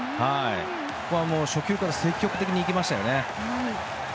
ここは初球から積極的に行きましたね。